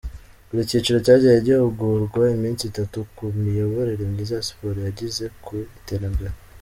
Buri cyiciro cyagiye gihugurwa iminsi itatu ku miyoborere myiza ya siporo yayigeza ku iterambere.